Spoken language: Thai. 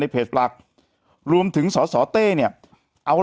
แต่หนูจะเอากับน้องเขามาแต่ว่า